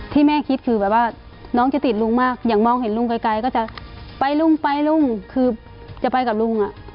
ที่แม่คิดคือแบบว่าน้องจะติดลุงมากอย่างมองเห็นลุงไกลก็จะไปลุงไปลุงคือจะไปกับลุงอ่ะ